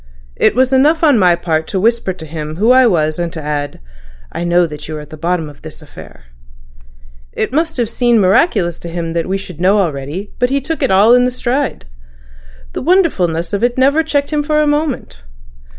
It was enough on my part to whisper to him who I was and to add 'I know that you are at the bottom of this affair.' It must have seemed miraculous to him that we should know already, but he took it all in the stride. The wonderfulness of it never checked him for a moment.